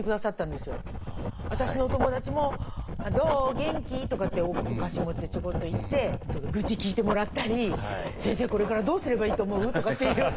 私のお友達も「どう？元気？」とかってお菓子持ってちょこっと行って愚痴聞いてもらったり「先生これからどうすればいいと思う？」とかっていう相談しながら。